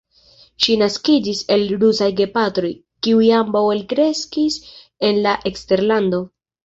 Ŝi naskiĝis el rusaj gepatroj, kiuj ambaŭ elkreskis en la eksterlando.